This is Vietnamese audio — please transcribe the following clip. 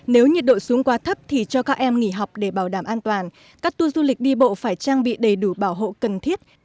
nếu nhiệt độ xuống quá thấp thì cho các em nghỉ học để bảo đảm an toàn các tour du lịch đi bộ phải trang bị đầy đủ bảo hộ cần thiết